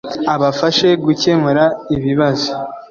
abafashe gukemura ibibazo